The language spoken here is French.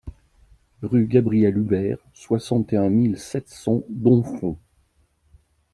Rue Gabriel Hubert, soixante et un mille sept cents Domfront